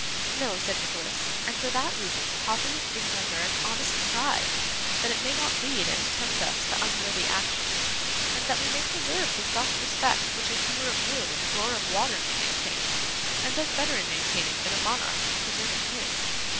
'No,' said Nicholas, 'and for that reason poverty should engender an honest pride, that it may not lead and tempt us to unworthy actions, and that we may preserve the self respect which a hewer of wood and drawer of water may maintain, and does better in maintaining than a monarch in preserving his.